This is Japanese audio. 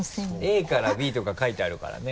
ＡからＢとか書いてあるからね。